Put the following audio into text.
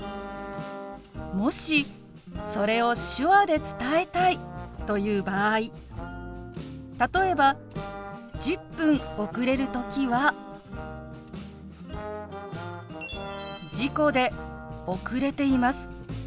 もしそれを手話で伝えたいという場合例えば１０分遅れる時は「事故で遅れています。